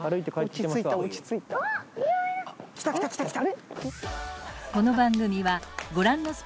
・来た来た来た来た！